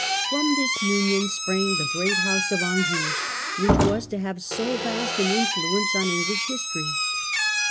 From this union sprang the great house of Anjou, which was to have so vast an influence on English history.